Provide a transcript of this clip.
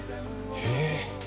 へえ！